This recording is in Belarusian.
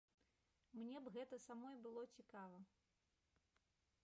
Мне б гэта самой было цікава.